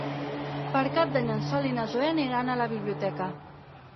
Per Cap d'Any en Sol i na Zoè aniran a la biblioteca.